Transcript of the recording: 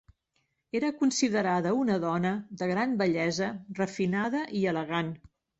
Era considerada una dona de gran bellesa, refinada i elegant.